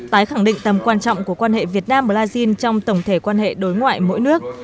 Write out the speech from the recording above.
tái khẳng định tầm quan trọng của quan hệ việt nam brazil trong tổng thể quan hệ đối ngoại mỗi nước